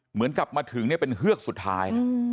เหมือนกับมาถึงเนี่ยเป็นเฮือกสุดท้ายนะ